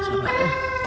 aduh pegang emak sakit